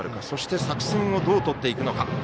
そして作戦をどうとっていくのか。